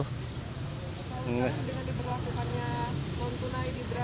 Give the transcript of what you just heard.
kalau dengan diperlakukannya non tunai di braga